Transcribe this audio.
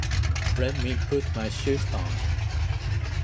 Let me put my shoes on.